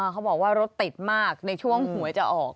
เขาบอกว่ารถติดมากในช่วงหวยจะออก